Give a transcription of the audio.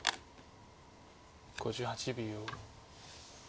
５８秒。